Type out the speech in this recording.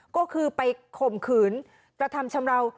ก็คือไปข่มขืนกระทำชำราว